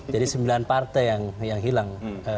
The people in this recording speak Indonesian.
jadi sembilan partai yang hilang